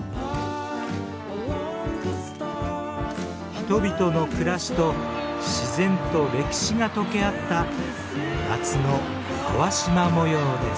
人々の暮らしと自然と歴史が溶け合った夏の粟島もようです。